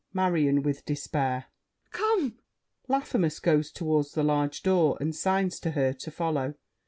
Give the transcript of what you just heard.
MARION (with despair). Come! [Laffemas goes toward the large door and signs to her to follow.